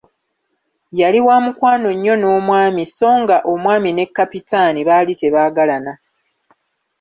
Yali wa mukwano nnyo n'omwami so nga omwami ne Kapitaani baali tebaagalana.